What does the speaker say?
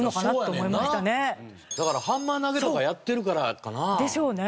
だからハンマー投げとかやってるからかな？でしょうね。